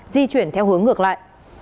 di chuyển theo hướng ngược lại